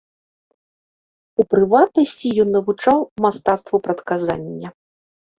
У прыватнасці ён навучаў мастацтву прадказання.